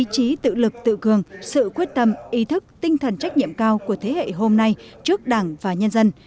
chí tự lực tự cường sự quyết tâm ý thức tinh thần trách nhiệm cao của thế hệ hôm nay trước đảng và nhân dân